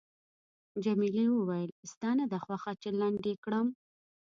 جميلې وويل:، ستا نه ده خوښه چې لنډ یې کړم؟